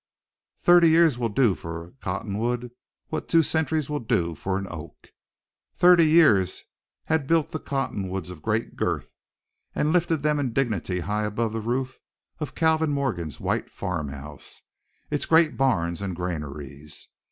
Thirty years will do for a cottonwood what two centuries will do for an oak. Thirty years had built the cottonwoods of great girth, and lifted them in dignity high above the roof of Calvin Morgan's white farmhouse, his great barns and granaries.